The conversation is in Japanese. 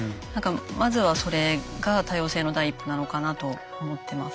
まずはそれが多様性の第一歩なのかなと思ってます。